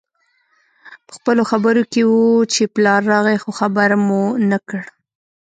پخپلو خبرو کې وو چې پلار راغی خو خبر مو نه کړ